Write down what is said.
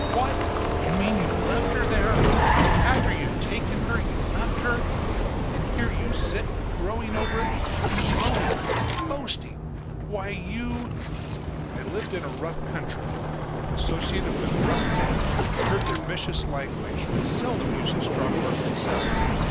"What! You mean you left her there! After you'd taken her, you left her! And here you sit crowing over it! Gloating! Boasting! Why you—!" I lived in a rough country. Associated with rough men, heard their vicious language, but seldom used a strong word myself.